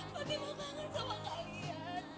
mati mau kangen sama kalian